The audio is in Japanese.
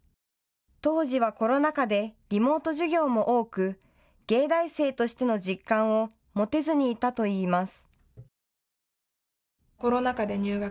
当時はコロナ禍でリモート授業も多く、藝大生としての実感を持てずにいたといいます。